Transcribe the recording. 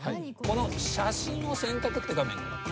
この「写真を選択」って画面。